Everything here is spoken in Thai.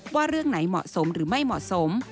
ว่าเรื่องไหนเหมาะสมหรือไม่เหมาะสม